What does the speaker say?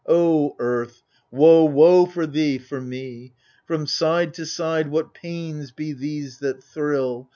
O Earth, Woe, woe for thee, for me ! From side to side what pains be these that thrill